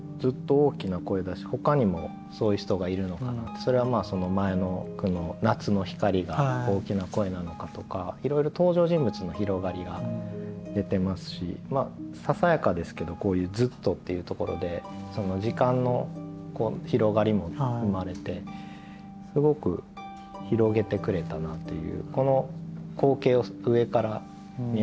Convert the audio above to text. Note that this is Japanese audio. それは前の句の「夏の光」が「おおきなこえ」なのかとかいろいろささやかですけどこういう「ずっと」っていうところで時間の広がりも生まれてすごく広げてくれたなという。